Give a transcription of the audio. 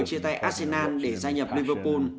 chia tay arsenal để gia nhập liverpool